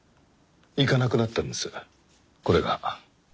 いかなくなったんですこれが。